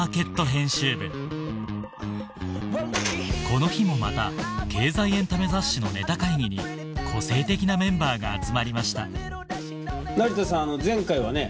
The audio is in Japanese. この日もまた経済エンタメ雑誌のネタ会議に個性的なメンバーが集まりました成田さん前回はね